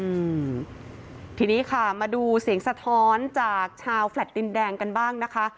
อืมทีนี้ค่ะมาดูเสียงสะท้อนจากชาวแฟลต์ดินแดงกันบ้างนะคะ